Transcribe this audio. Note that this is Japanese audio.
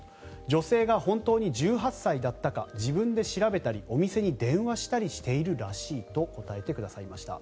女性が本当に１８歳だったか自分で調べたりお店に電話したりしているらしいと答えてくださいました。